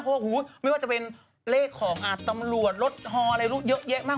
เพราะว่าโอโฮไม่ว่าจะเป็นเลขของธรรมหลวดรถฮอล์อะไรรู่เยอะแยะมาก